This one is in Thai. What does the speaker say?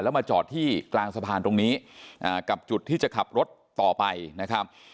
แล้วมาจอดที่กลางสะพานตรงนี้กับจุดที่จะขับรถต่อไปนะครับ